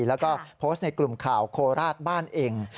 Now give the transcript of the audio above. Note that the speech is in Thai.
แล้วก็โพสต์ในกลุ่มข่าวโคราชบ้านเอง